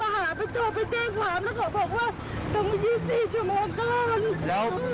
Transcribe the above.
ว่าเอาตามห่าเถอะไปเต้งตลาด